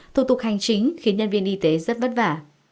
thủ tục hành chính khiến nhân viên y tế rất vất vả